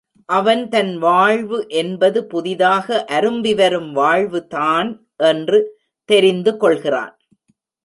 அவன் தன் வாழ்வு என்பது புதிதாக அரும்பிவரும் வாழ்வுதான் என்று தெரிந்துகொள்கிறான்.